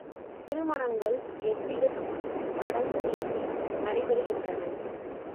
திருமணங்கள் எவ்விதச் சடங்குமின்றி நடைபெறுகின்றன.